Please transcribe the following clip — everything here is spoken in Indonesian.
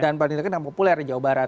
dan paling dekat dan populer di jawa barat